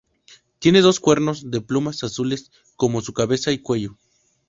Tiene dos cuernos de plumas azules, como su cabeza y cuello.